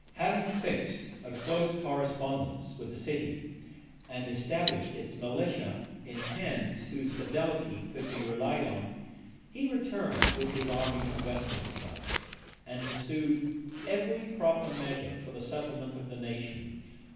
Having fixed a close correspondence with the city, and established its militia in hands whose fidelity could be relied on, he returned with his army to Westminster, and pursued every proper measure for the settlement of the nation.